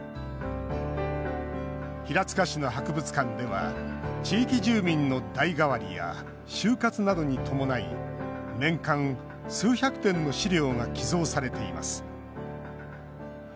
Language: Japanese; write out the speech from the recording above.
平塚市の博物館では地域住民の代替わりや終活などに伴い年間数百点の資料が寄贈されています。